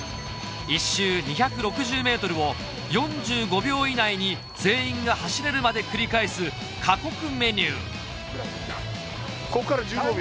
１周２６０ｍを４５秒以内に全員が走れるまで繰り返す過酷メニューこっから１５秒？